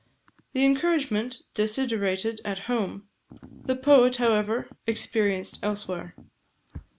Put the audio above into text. The encouragement desiderated at home, the poet, however, experienced elsewhere.